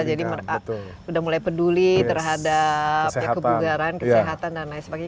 jadi udah mulai peduli terhadap kebugaran kesehatan dan lain sebagainya